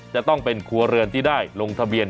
ใช้เมียได้ตลอด